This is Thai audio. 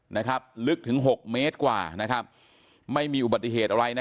นะครับลึกถึงหกเมตรกว่านะครับไม่มีอุบัติเหตุอะไรนะ